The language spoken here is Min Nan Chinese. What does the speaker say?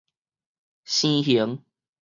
生形